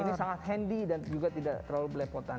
ini sangat handy dan juga tidak terlalu belepotan